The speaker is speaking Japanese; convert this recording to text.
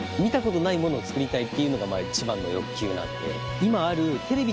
っていうのが一番の欲求なんで。